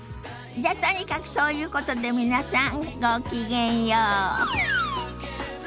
じゃとにかくそういうことで皆さんごきげんよう。